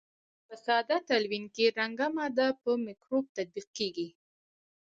په ساده تلوین کې رنګه ماده په مکروب تطبیق کیږي.